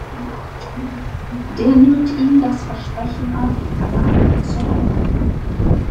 Der nimmt ihm das Versprechen ab, eine andere zu heiraten.